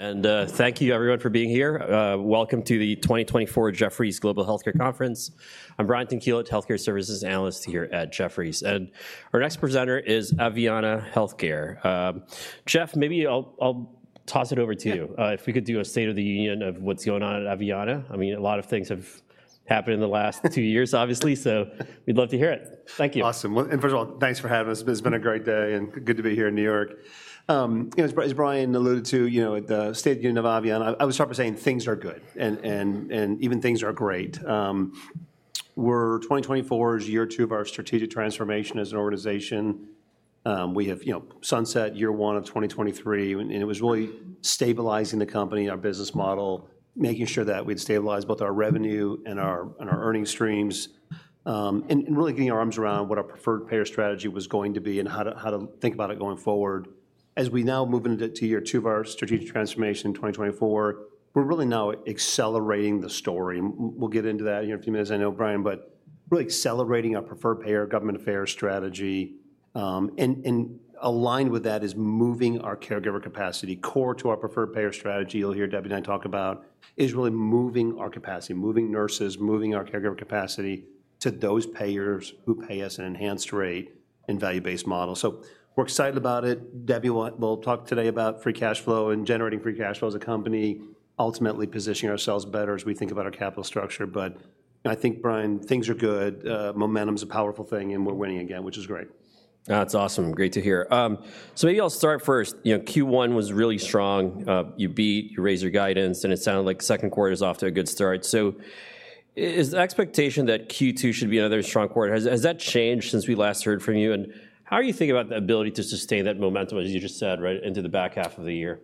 Thank you everyone for being here. Welcome to the 2024 Jefferies Global Healthcare Conference. I'm Brian Tanquilut, Healthcare Services Analyst here at Jefferies, and our next presenter is Aveanna Healthcare. Jeff, maybe I'll toss it over to you. If we could do a state of the union of what's going on at Aveanna. I mean, a lot of things have happened in the last two years, obviously, so we'd love to hear it. Thank you. Awesome. Well, and first of all, thanks for having us. It's been a great day, and good to be here in New York. You know, as Brian alluded to, you know, the state of the union of Aveanna, I would start by saying things are good, and, and, and even things are great. We're 2024 is year two of our strategic transformation as an organization. We have, you know, sunset 1 year of 2023, and, and it was really stabilizing the company, our business model, making sure that we'd stabilize both our revenue and our, and our earnings streams, and, and really getting our arms around what our preferred payer strategy was going to be, and how to, how to think about it going forward. As we now move into year two of our strategic transformation in 2024, we're really now accelerating the story. We'll get into that here in a few minutes, I know, Brian, but really accelerating our preferred payer, government affairs strategy. Aligned with that is moving our caregiver capacity. Core to our preferred payer strategy, you'll hear Debbie and I talk about, is really moving our capacity, moving nurses, moving our caregiver capacity to those payers who pay us an enhanced rate in value-based models. We're excited about it. Debbie will talk today about free cash flow and generating free cash flow as a company, ultimately positioning ourselves better as we think about our capital structure. But I think, Brian, things are good. Momentum's a powerful thing, and we're winning again, which is great. That's awesome. Great to hear. Maybe I'll start first. You know, Q1 was really strong. You beat, you raised your guidance, and it sounded like Q2 is off to a good start. Is the expectation that Q2 should be another strong quarter? Has that changed since we last heard from you? How are you thinking about the ability to sustain that momentum, as you just said, right, into the back half of the year?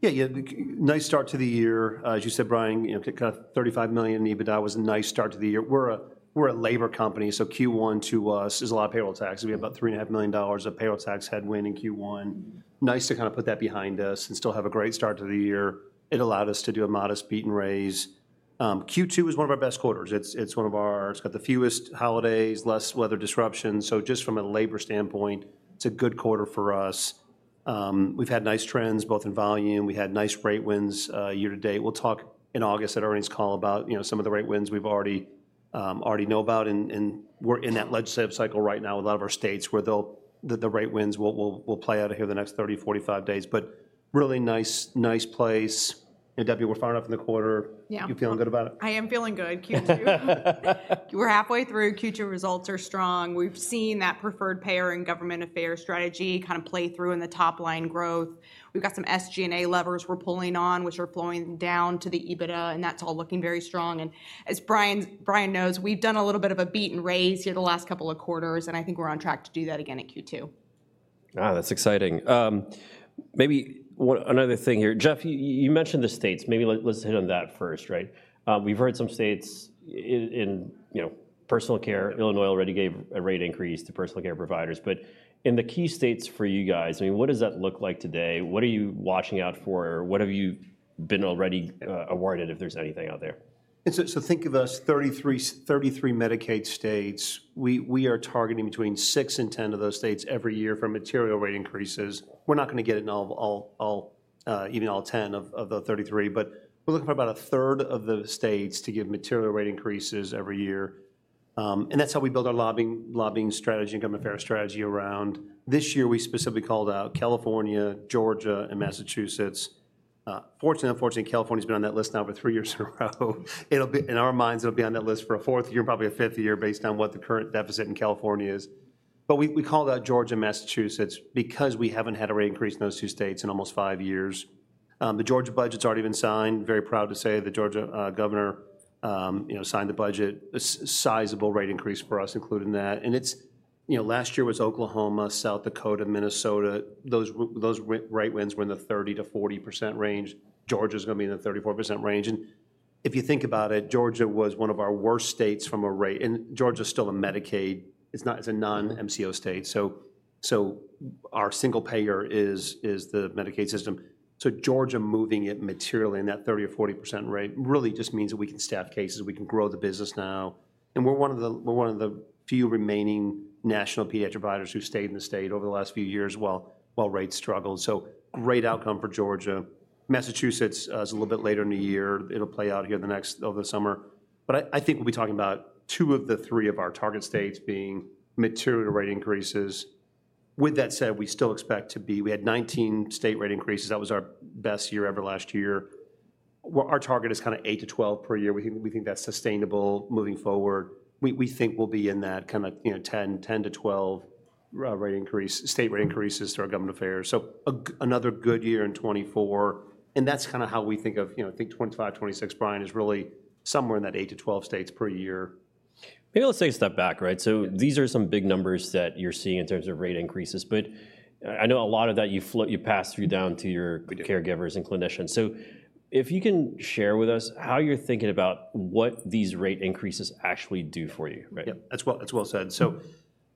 Nice start to the year. As you said, Brian, you know, to cut $35 million in EBITDA was a nice start to the year. We're a labor company, so Q1 to us is a lot of payroll taxes. We had about $3.5 million of payroll tax headwind in Q1. Nice to kind of put that behind us and still have a great start to the year. It allowed us to do a modest beat and raise. Q2 is one of our best quarters. It's got the fewest holidays, less weather disruptions, so just from a labor standpoint, it's a good quarter for us. We've had nice trends, both in volume, we had nice rate wins, year to date. We'll talk in August at earnings call about, you know, some of the rate wins we've already know about, and we're in that legislative cycle right now with a lot of our states, where they'll. The rate wins will play out here in the next 30 to 45 days, but really nice place. Debbie, we're far enough in the quarter. You feeling good about it? I am feeling good. Q2. We're halfway through. Q2 results are strong. We've seen that preferred payer and government affairs strategy kind of play through in the top line growth. We've got some SG&A levers we're pulling on, which are flowing down to the EBITDA, and that's all looking very strong. As Brian knows, we've done a little bit of a beat and raise here the last couple of quarters, and I think we're on track to do that again at Q2. Ah, that's exciting. Maybe another thing here. Jeff, you mentioned the states. Maybe let's hit on that first, right? We've heard some states in, you know, personal care. Illinois already gave a rate increase to personal care providers. In the key states for you guys, what does that look like today? What are you watching out for? What have you been already awarded, if there's anything out there? Think of us 33 Medicaid states. We are targeting between six to 10 of those states every year for material rate increases. We're not gonna get it in even all 10 of the 33, but we're looking for about a third of the states to give material rate increases every year. That's how we build our lobbying strategy and government affairs strategy around. This year, we specifically called out California, Georgia, and Massachusetts. Unfortunately, California's been on that list now for three years in a row. It'll be. In our minds, it'll be on that list for a fourth year, probably a fifth year, based on what the current deficit in California is. We called out Georgia and Massachusetts because we haven't had a rate increase in those two states in almost five years. The Georgia budget's already been signed. Very proud to say the Georgia governor, you know, signed the budget, a sizable rate increase for us, including that. It's. You know, last year was Oklahoma, South Dakota, Minnesota. Those rate wins were in the 30% to 40% range. Georgia's gonna be in the 34% range, and if you think about it, Georgia was one of our worst states from a rate. Georgia's still a Medicaid. It's not. It's a non-MCO state, so our single payer is the Medicaid system. Georgia moving it materially in that 30% or 40% rate, really just means that we can staff cases, we can grow the business now, and we're one of the few remaining national pediatric providers who stayed in the state over the last few years, while rates struggled. Great outcome for Georgia. Massachusetts is a little bit later in the year. It'll play out here the next, over the summer, but I think we'll be talking about two of the three of our target states being material rate increases. With that said, we still expect to be. We had 19 state rate increases. That was our best year ever last year. Well, our target is kind of eight to 12 per year. We think that's sustainable moving forward. We think we'll be in that kind of, you know, 10 to 12 rate increase, state rate increases to our government affairs. Another good year in 2024, and that's kind of how we think of, you know, think 2025, 2026, Brian, is really somewhere in that eight to 12 states per year. Maybe let's take a step back, right? So these are some big numbers that you're seeing in terms of rate increases, but, I know a lot of that, you float, you pass through down to your, caregivers and clinicians. So if you can share with us how you're thinking about what these rate increases actually do for you, right? That's well, that's well said.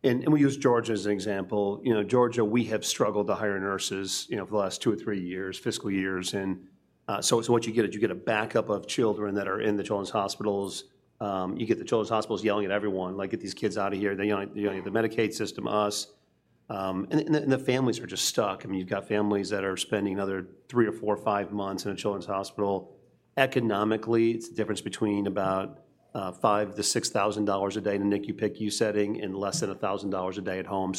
We use Georgia as an example. You know, Georgia, we have struggled to hire nurses, you know, two or three years, fiscal years in. What you get is you get a backup of children that are in the children's hospitals. You get the children's hospitals yelling at everyone, like: "Get these kids out of here." They're yelling, they're yelling at the Medicaid system, us, and the families are just stuck. I mean, you've got families that are spending another three or four, five months in a children's hospital. Economically, it's the difference between about $5,000 to $6,000 a day in a NICU/PICU setting, and less than $1,000 a day at home.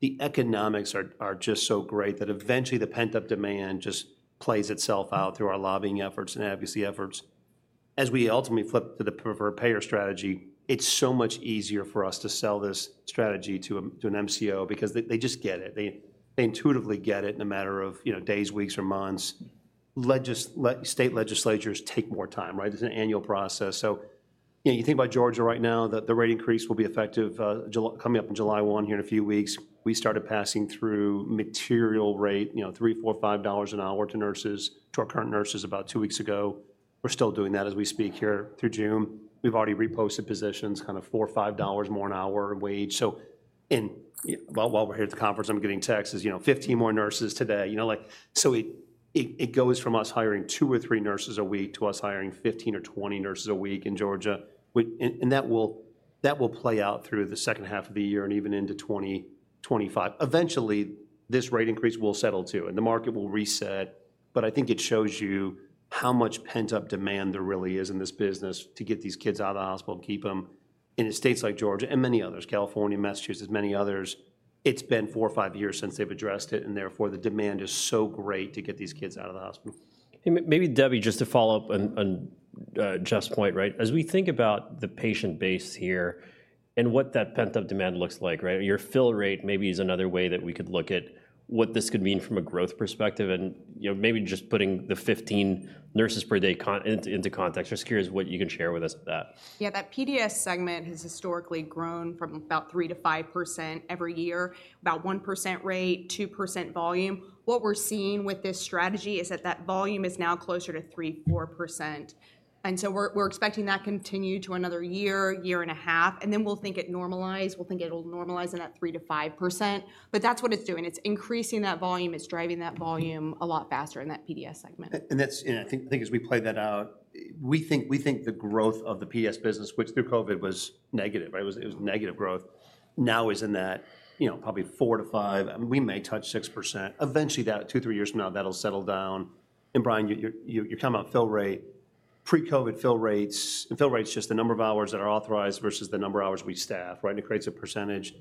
The economics are just so great that eventually the pent-up demand just plays itself out through our lobbying efforts and advocacy efforts. As we ultimately flip to the preferred payer strategy, it's so much easier for us to sell this strategy to an MCO because they just get it. They intuitively get it in a matter of, you know, days, weeks, or months. State legislatures take more time, right? It's an annual process. You know, you think about Georgia right now, the rate increase will be effective coming up in 1 July, here in a few weeks. We started passing through material rate, you know, $3, $4, $5 an hour to nurses, to our current nurses, about two weeks ago. We're still doing that as we speak here through Zoom. We've already reposted positions, kind of $4 to $5 more an hour wage. Well, while we're here at the conference, I'm getting texts, you know, 15 more nurses today, you know, like. It goes from us hiring two or three nurses a week to us hiring 15 or 20 nurses a week in Georgia. That will play out through the second half of the year, and even into 2025. Eventually, this rate increase will settle, too, and the market will reset. I think it shows you how much pent-up demand there really is in this business to get these kids out of the hospital and keep them. In states like Georgia and many others, California, Massachusetts, many others, it's been four or five years since they've addressed it, and therefore, the demand is so great to get these kids out of the hospital. Maybe Debbie, just to follow up on Jeff's point, right? As we think about the patient base here and what that pent-up demand looks like, right? Your fill rate maybe is another way that we could look at what this could mean from a growth perspective and, you know, maybe just putting the 15 nurses per day into context. Just curious what you can share with us with that. That PDS segment has historically grown from about 3% to 5% every year, about 1% rate, 2% volume. What we're seeing with this strategy is that, that volume is now closer to 3% to 4%, we're, we're expecting that continue to another year, year and a half, and then we'll think it normalize. We'll think it'll normalize in that 3% to 5%. That's what it's doing. It's increasing that volume. It's driving that volume a lot faster in that PDS segment. That's. And I think as we play that out, we think the growth of the PDS business, which through COVID was negative, right? It was negative growth, now is in that, you know, probably 4% to 5%, and we may touch 6%. Eventually, that two to three years from now, that'll settle down. Brian, you're talking about fill rate. Pre-COVID fill rates. And fill rate's just the number of hours that are authorized versus the number of hours we staff, right? And it creates a percentage.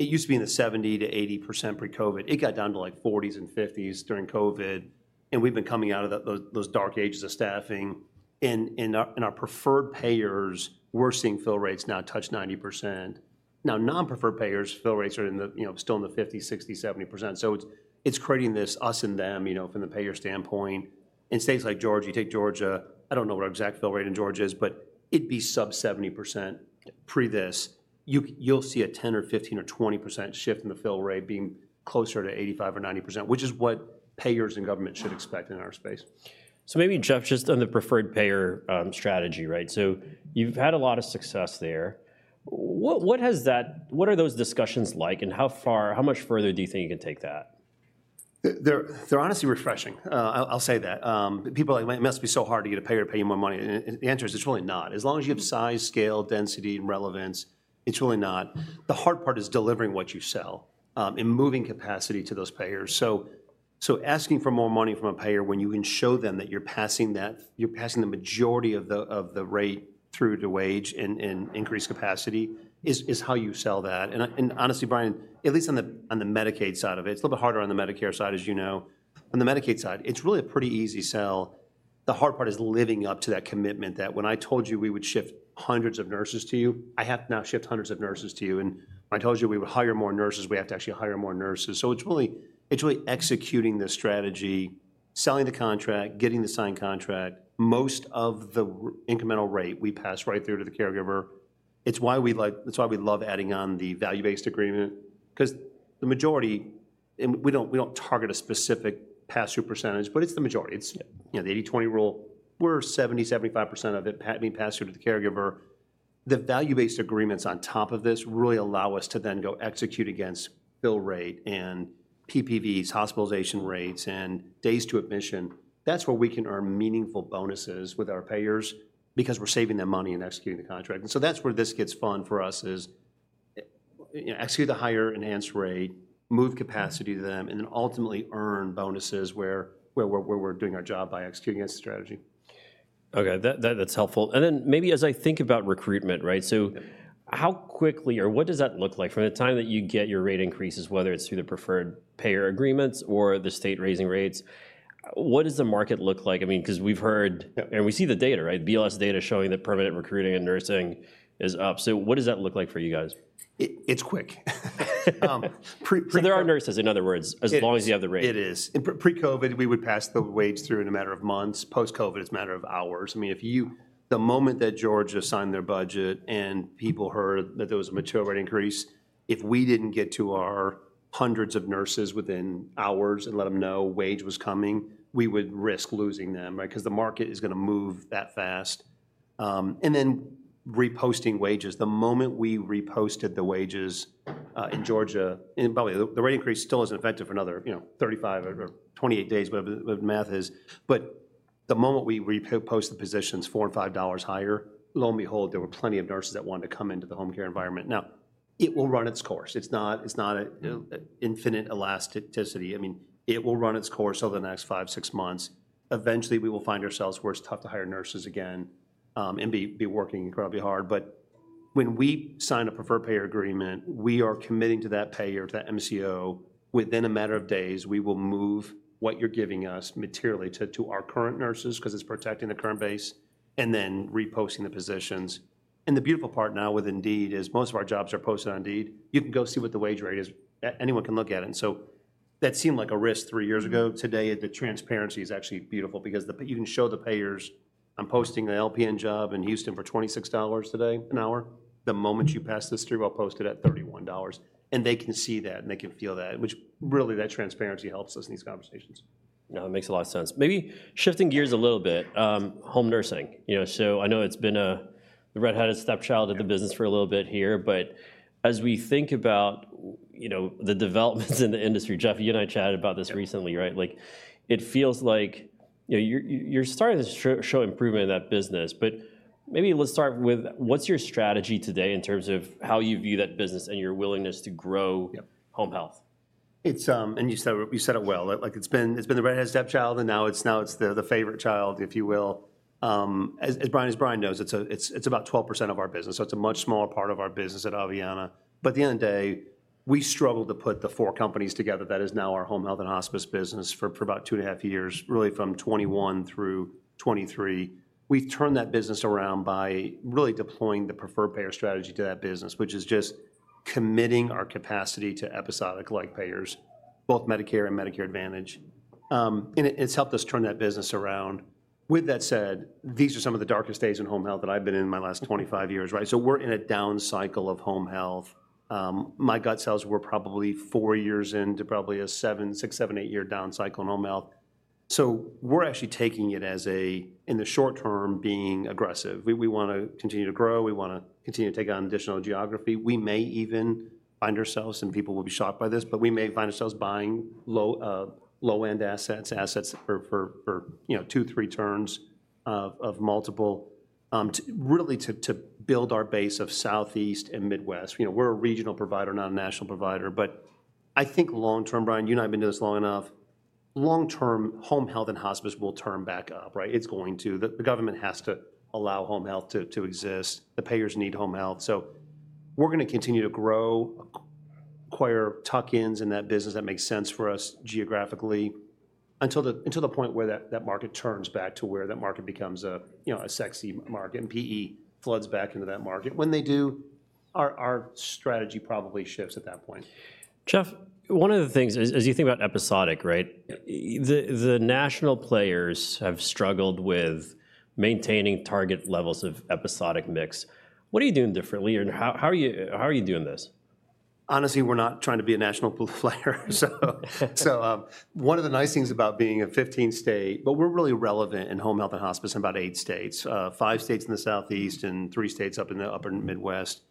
It used to be in the 70%-80% pre-COVID. It got down to, like, 40s and 50s during COVID, and we've been coming out of those dark ages of staffing. In our preferred payers, we're seeing fill rates now touch 90%. Now, non-preferred payers, fill rates are in the, you know, still in the 50%, 60%, 70%. So it's, it's creating this us and them, you know, from the payer standpoint. In states like Georgia, you take Georgia, I don't know what our exact fill rate in Georgia is, but it'd be sub 70% pre this. You'll see a 10%, 15%, or 20% shift in the fill rate being closer to 85% or 90%, which is what payers and government should expect in our space. Jeff, just on the preferred payer strategy, right? So you've had a lot of success there. What are those discussions like, and how much further do you think you can take that? They're honestly refreshing. I'll say that. People are like, "Well, it must be so hard to get a payer to pay you more money," and the answer is, it's really not. As long as you have size, scale, density, and relevance, it's really not. The hard part is delivering what you sell, and moving capacity to those payers. Asking for more money from a payer, when you can show them that you're passing that, you're passing the majority of the rate through to wage and increased capacity, is how you sell that. Honestly, Brian, at least on the Medicaid side of it, it's a little bit harder on the Medicare side, as you know. On the Medicaid side, it's really a pretty easy sell. The hard part is living up to that commitment that when I told you we would shift hundreds of nurses to you, I have to now shift hundreds of nurses to you, and when I told you we would hire more nurses, we have to actually hire more nurses. It's really, it's really executing the strategy, selling the contract, getting the signed contract. Most of the incremental rate, we pass right through to the caregiver. It's why we like. That's why we love adding on the value-based agreement, 'cause the majority. We don't, we don't target a specific pass-through percentage, but it's the majority. It's, you know, the 80 to 20 rule, where 70% to 75% of it being passed through to the caregiver. The value-based agreements on top of this really allow us to then go execute against bill rate, and PPVs, hospitalization rates, and days to admission. That's where we can earn meaningful bonuses with our payers because we're saving them money and executing the contract. That's where this gets fun for us, is, you know, execute the higher enhanced rate, move capacity to them, and then ultimately earn bonuses where we're doing our job by executing against the strategy. Okay, that's helpful. And then, maybe as I think about recruitment, right? How quickly, or what does that look like? From the time that you get your rate increases, whether it's through the preferred payer agreements or the state raising rates, what does the market look like? I mean, because we've heard-and we see the data, right? BLS data showing that permanent recruiting and nursing is up. What does that look like for you guys? It's quick. There are nurses, in other words as long as you have the rate. It is. In pre-COVID, we would pass the wage through in a matter of months. Post-COVID, it's a matter of hours. I mean, the moment that Georgia signed their budget and people heard that there was a material rate increase, if we didn't get to our hundreds of nurses within hours and let them know wage was coming, we would risk losing them, right? Beause the market is gonna move that fast. And then reposting wages, the moment we reposted the wages in Georgia, and by the way, the rate increase still isn't effective for another, you know, 35 or 28 days, whatever the math is, but the moment we repost the positions $4 and $5 higher, lo and behold, there were plenty of nurses that wanted to come into the home care environment. Now, it will run its course. It's not an infinite elasticity. It will run its course over the next five, six months. Eventually, we will find ourselves where it's tough to hire nurses again, and be working incredibly hard. When we sign a preferred payer agreement, we are committing to that payer, that MCO. Within a matter of days, we will move what you're giving us materially to our current nurses, because it's protecting the current base, and then reposting the positions. The beautiful part now with Indeed is most of our jobs are posted on Indeed. You can go see what the wage rate is. Anyone can look at it, and so that seemed like a risk three years ago. Today, the transparency is actually beautiful because you can show the payers, "I'm posting an LPN job in Houston for $26 today, an hour. The moment you pass this through, I'll post it at $31." And they can see that, and they can feel that, which really, that transparency helps us in these conversations. No, it makes a lot of sense. Maybe shifting gears a little bit, home nursing. You know, so I know it's been the red-headed stepchild of the business for a little bit here, but as we think about you know, the developments in the industry, Jeff, you and I chatted about this recently, right? Like, it feels like, you know, you're starting to show improvement in that business, but maybe let's start with what's your strategy today in terms of how you view that business and your willingness to grow, home health? It's, and you said it, you said it well. Like, it's been, it's been the red-headed stepchild, and now it's, now it's the, the favorite child, if you will. As Brian knows, it's about 12% of our business, so it's a much smaller part of our business at Aveanna. At the end of the day, we struggled to put the four companies together that is now our home health and hospice business for about two and a half years, really from 2021 through 2023. We've turned that business around by really deploying the preferred payer strategy to that business, which is just committing our capacity to episodic-like payers, both Medicare and Medicare Advantage. It's helped us turn that business around. With that said, these are some of the darkest days in home health that I've been in in my last 25 years, right? So we're in a down cycle of home health. My gut says we're probably four years into probably a six-year, seven-year, eight-year down cycle in home health. We're actually taking it as a, in the short term, being aggressive. We, we wanna continue to grow. We wanna continue to take on additional geography. We may even find ourselves, and people will be shocked by this, but we may find ourselves buying low, low-end assets, assets for, you know, two to three turns of multiple, really to build our base of Southeast and Midwest. You know, we're a regional provider, not a national provider, but I think long term, Brian, you and I have been doing this long enough, long term, home health and hospice will turn back up, right? It's going to. The government has to allow home health to exist. The payers need home health. We're gonna continue to grow, acquire tuck-ins in that business that makes sense for us geographically until the point where that market turns back to where that market becomes a, you know, a sexy market, and PE floods back into that market. When they do, our strategy probably shifts at that point. Jeff, one of the things as you think about episodic, right? The national players have struggled with maintaining target levels of episodic mix. What are you doing differently, and how are you doing this? Honestly, we're not trying to be a national player, one of the nice things about being a 15-states, we're really relevant in home health and hospice in about eight states, five states in the Southeast and three states up in the upper Midwest.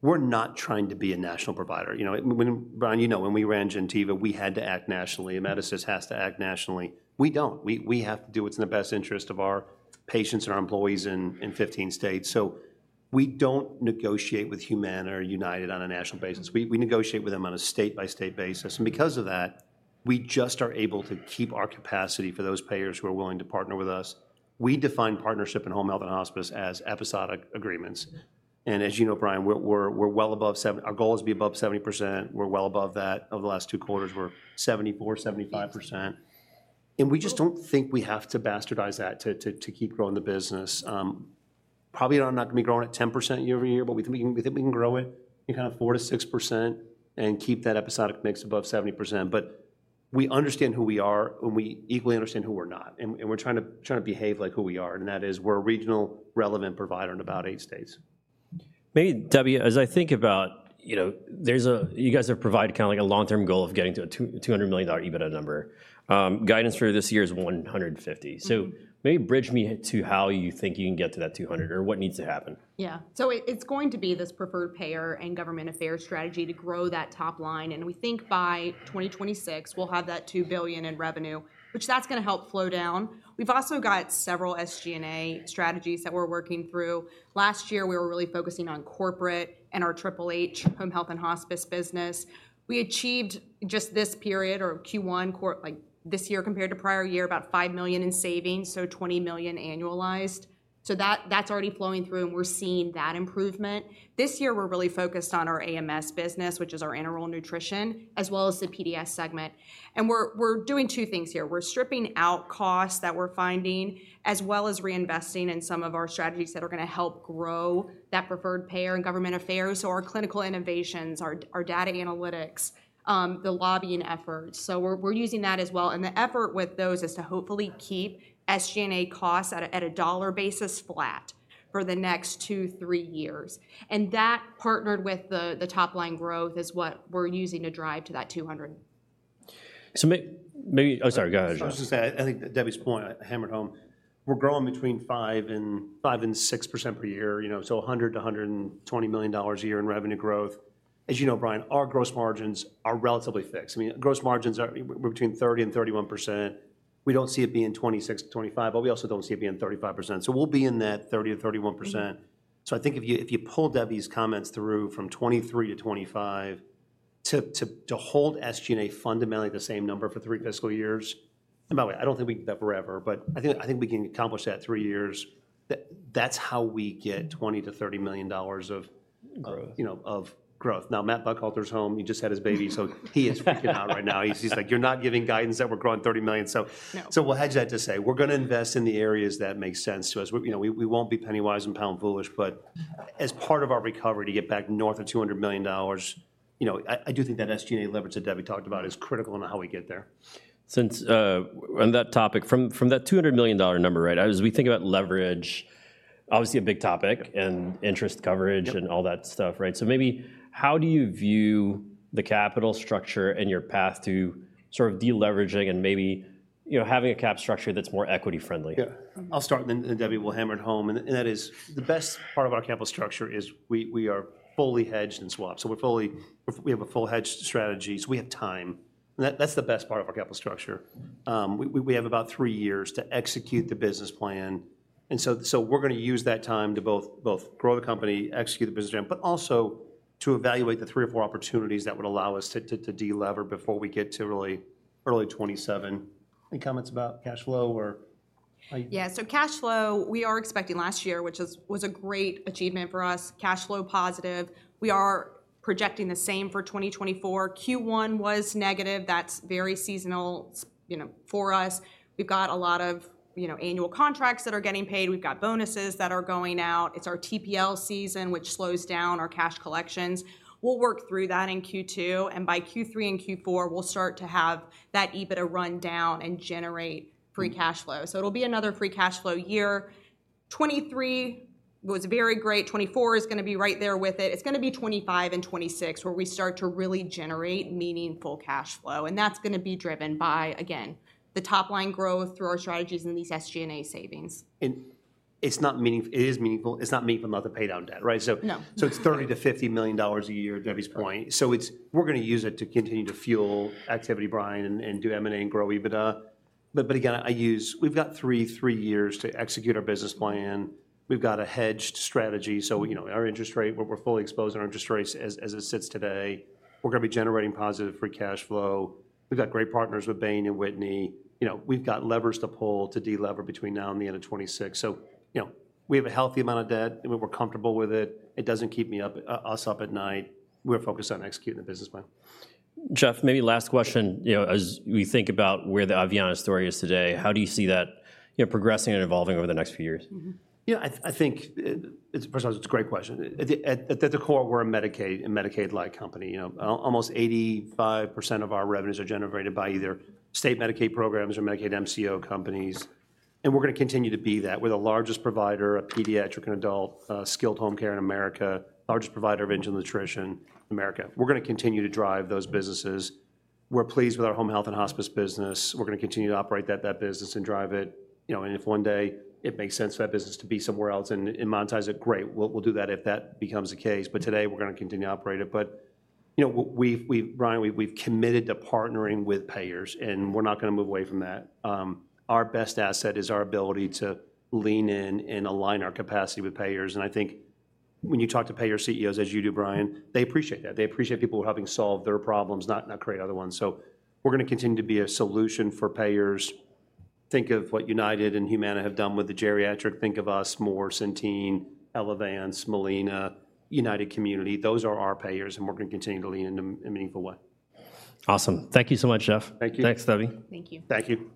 We're not trying to be a national provider. You know, when, Brian, you know, when we ran Gentiva, we had to act nationally. Amedisys has to act nationally. We don't. We, we have to do what's in the best interest of our patients and our employees in, in 15 states. We don't negotiate with Humana or United on a national basis. We negotiate with them on a state-by-state basis, and because of that, we just are able to keep our capacity for those payers who are willing to partner with us. We define partnership in home health and hospice as episodic agreements. As you know, Brian, we're well above 70, our goal is to be above 70%. We're well above that. Over the last two quarters, we're 74% to 5%. We just don't think we have to bastardize that to keep growing the business. Probably are not gonna be growing at 10% year-over-year, but we think we can grow it kind of 4% to 6% and keep that episodic mix above 70%. We understand who we are, and we equally understand who we're not, and we're trying to behave like who we are, and that is we're a regional relevant provider in about eight states. Maybe, Debbie, as I think about, you know, there's a, you guys have provided kind of like a long-term goal of getting to a $200 million EBITDA number. Guidance for this year is $150. Maybe bridge me to how you think you can get to that 200, or what needs to happen? It's going to be this preferred payer and government affairs strategy to grow that top line, and we think by 2026, we'll have that $2 billion in revenue, which that's gonna help flow down. We've also got several SG&A strategies that we're working through. Last year, we were really focusing on corporate and our Triple H, home health and hospice business. We achieved just this period or Q1, like this year compared to prior year, about $5 million in savings, so $20 million annualized. So that's already flowing through, and we're seeing that improvement. This year, we're really focused on our AMS business, which is our enteral nutrition, as well as the PDS segment, and we're, we're doing two things here. We're stripping out costs that we're finding, as well as reinvesting in some of our strategies that are gonna help grow that preferred payer and government affairs, so our clinical innovations, our, our data analytics, the lobbying efforts. We're, we're using that as well, and the effort with those is to hopefully keep SG&A costs at a, at a dollar basis flat for the next two to three years, and that, partnered with the, the top-line growth, is what we're using to drive to that 200. Maybe. Oh, sorry, go ahead, Jeff. I was just gonna say, I think that Debbie's point hammered home, we're growing between 5% to 6% per year, you $$100 to 120 million a year in revenue growth. As you know, Brian, our gross margins are relatively fixed. Gross margins are, we're between 30% to 31%. We don't see it being 26, 25, but we also don't see it being 35%. We'll be in that 30% to 31%. I think if you, if you pull Debbie's comments through from 2023 to 2025, to hold SG&A fundamentally the same number for three fiscal years. By the way, I don't think we can do that forever, but I think, I think we can accomplish that three years. That, that's how we get $20 to 30 million. Growth. You know, of growth. Now, Matt Buckhalter's home. He just had his baby, so he is freaking out right now. He's just like, "You're not giving guidance that we're growing $30 million." So- No. We'll hedge that to say we're gonna invest in the areas that make sense to us. We, you know, won't be penny wise and pound foolish, but as part of our recovery to get back north of $200 million, you know, I do think that SG&A leverage that Debbie talked about is critical in how we get there. Since on that topic, from that $200 million number, right, as we think about leverage, obviously a big topic, and interest coverage, and all that stuff, right? Maybe how do you view the capital structure and your path to sort of de-leveraging and maybe, you know, having a cap structure that's more equity friendly? I'll start, and then Debbie will hammer it home, and that is the best part of our capital structure is we are fully hedged in swaps. So we have a full hedged strategy, so we have time. And that's the best part of our capital structure. We have about three years to execute the business plan, and so we're gonna use that time to both grow the company, execute the business plan, but also to evaluate the three or four opportunities that would allow us to de-lever before we get to really early 2027. Any comments about cash flow or how you. Cash flow, we are expecting last year, which was a great achievement for us, cash flow positive. We are projecting the same for 2024. Q1 was negative, that's very seasonal, you know, for us. We've got a lot of, you know, annual contracts that are getting paid, we've got bonuses that are going out. It's our TPL season, which slows down our cash collections. We'll work through that in Q2, and by Q3 and Q4, we'll start to have that EBITDA run down and generate free cash flow. It'll be another free cash flow year. 2023 was very great, 2024 is gonna be right there with it. It's gonna be 2025 and 2026 where we start to really generate meaningful cash flow, and that's gonna be driven by, again, the top line growth through our strategies and these SG&A savings. And it is meaningful, it's not meaningful not to pay down debt, right? No. $$30 to 50 million a year, Debbie's point. We're gonna use it to continue to fuel activity, Brian, and do M&A and grow EBITDA. again, we've got three years to execute our business plan. We've got a hedged strategy, so, you know, our interest rate, we're fully exposed on our interest rates as it sits today. We're gonna be generating positive free cash flow. We've got great partners with Bain and Whitney. You know, we've got levers to pull to de-lever between now and the end of 2026. You know, we have a healthy amount of debt, and we're comfortable with it. It doesn't keep us up at night. We're focused on executing the business plan. Jeff, maybe last question. You know, as we think about where the Aveanna story is today, how do you see that, you know, progressing and evolving over the next few years? I think, it's, first of all, it's a great question. At the core, we're a Medicaid and Medicaid-like company. You know, almost 85% of our revenues are generated by either state Medicaid programs or Medicaid MCO companies, and we're gonna continue to be that. We're the largest provider of pediatric and adult, skilled home care in America, largest provider of enteral nutrition in America. We're gonna continue to drive those businesses. We're pleased with our home health and hospice business. We're gonna continue to operate that business and drive it. You know, and if one day it makes sense for that business to be somewhere else and monetize it, great, we'll do that if that becomes the case. But today, we're gonna continue to operate it. You know, we've, Brian, we've committed to partnering with payers, and we're not gonna move away from that. Our best asset is our ability to lean in and align our capacity with payers. I think when you talk to payer CEOs, as you do, Brian, they appreciate that. They appreciate people helping solve their problems, not, not create other ones. We're gonna continue to be a solution for payers. Think of what United and Humana have done with the geriatric, think of us more Centene, Elevance, Molina, United Community, those are our payers, and we're gonna continue to lean in in a meaningful way. Awesome. Thank you so much, Jeff. Thank you. Thanks, Debbie. Thank you. Thank you.